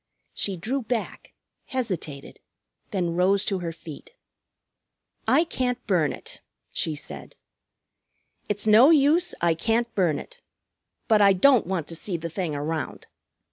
She drew back, hesitated, then rose to her feet. "I can't burn it," she said. "It's no use, I can't burn it. But I don't want to see the thing around.